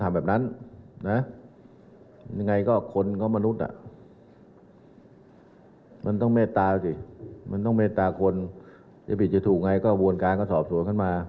มันต้องเมตตาคนจะผิดจะถูกไงก็วันการก็สอบส่วนขึ้นมา